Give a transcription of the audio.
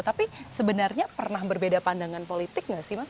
tapi sebenarnya pernah berbeda pandangan politik nggak sih mas